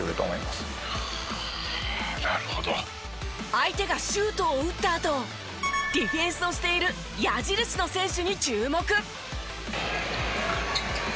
相手がシュートを打ったあとディフェンスをしている矢印の選手に注目！